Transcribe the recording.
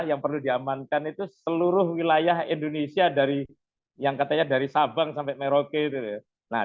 yang perlu diamankan itu seluruh wilayah indonesia dari yang katanya dari sabang sampai merauke